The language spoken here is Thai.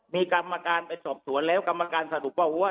มีกรรมการไปสอบสวนแล้วกรรมการสรุปว่า